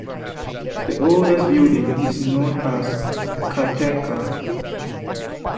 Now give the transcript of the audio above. The oldest building is known as "Katenka".